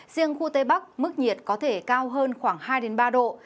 riêng khu tây bắc mức nhiệt có thể cao hơn khoảng hai ba độ